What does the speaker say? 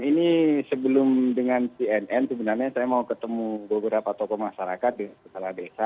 ini sebelum dengan cnn sebenarnya saya mau ketemu beberapa tokoh masyarakat kepala desa